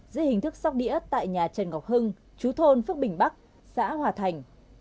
dưới hình thức sóc đĩa tại nhà trần ngọc hưng chú thôn phước bình bắc xã hòa thành